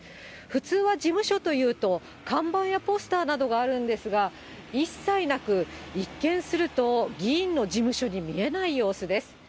普通は事務所というと、看板やポスターなどがあるんですが、一切なく、一見すると議員の事務所に見えない様子です。